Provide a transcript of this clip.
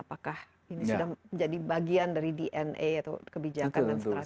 apakah ini sudah menjadi bagian dari dna atau kebijakan dan strategi